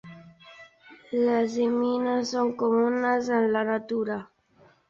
Les imines són comunes en la natura.